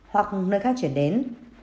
hoặc nơi khác chuyển đến